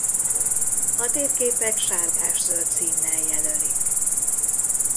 A térképek sárgászöld színnel jelölik.